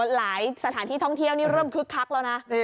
สถานที่ท่องเที่ยวนี่เริ่มคึกคักแล้วนะ